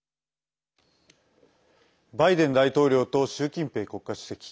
バイデン大統領と習近平国家主席。